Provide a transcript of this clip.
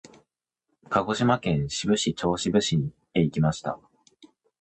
鹿児島県志布志市志布志町志布志へ行きました。